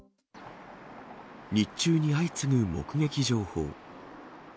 日中に相次ぐ目撃情報。